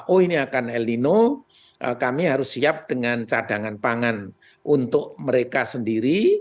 oh ini akan el nino kami harus siap dengan cadangan pangan untuk mereka sendiri